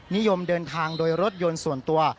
นิยมเดินทางโดยรถยนต์ส่วนตัว